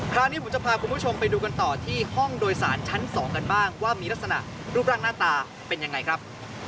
คราวนี้ผมจะพาคุณผู้ชมไปดูกันต่อที่ห้องโดยสารชั้น๒กันบ้างว่ามีลักษณะรูปร่างหน้าตาเป็นยังไงครับ